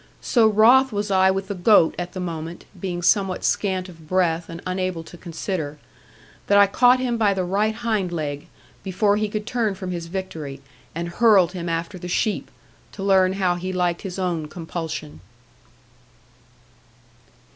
So wroth was I with the goat at the moment (being somewhat scant of breath and unable to consider), that I caught him by the right hind leg, before he could turn from his victory, and hurled him after the sheep, to learn how he liked his own compulsion.